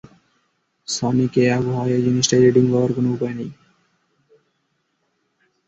Sonic, এই আবহাওয়ায়, এই জিনিসটায় রিডিং পাবার কোন উপায় নেই!